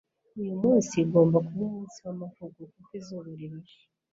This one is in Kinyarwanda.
uyu munsi ugomba kuba umunsi wamavuko kuko izuba rirashe